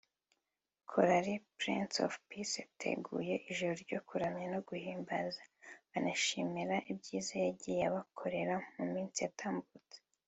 Korali Prince of Peace yateguye ijoro ryo kuramya no guhimbaza banayishimira ibyiza yagiye ibakorera mu minsi yatambutse